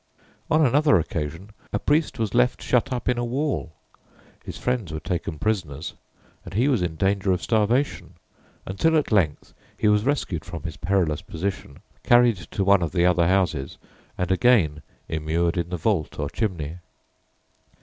On another occasion a priest was left shut up in a wall; his friends were taken prisoners, and he was in danger of starvation, until at length he was rescued from his perilous position, carried to one of the other houses, and again immured in the vault or chimney.